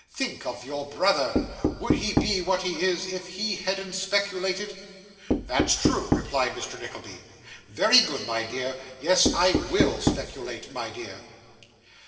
Think of your brother! Would he be what he is, if he hadn't speculated?' 'That's true,' replied Mr. Nickleby. 'Very good, my dear. Yes. I WILL speculate, my dear.